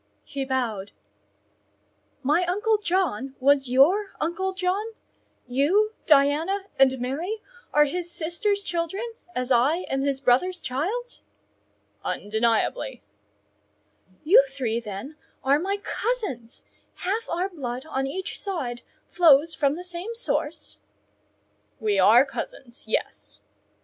He bowed. "My uncle John was your uncle John? You, Diana, and Mary are his sister's children, as I am his brother's child?" "Undeniably." "You three, then, are my cousins; half our blood on each side flows from the same source?" "We are cousins; yes."